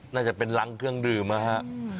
น่าจะเป็นรังเครื่องดื่มนะฮะ